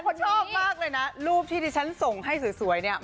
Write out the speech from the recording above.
เขาชอบมากเลยนะรูปที่ดิฉันส่งให้สวยเนี่ย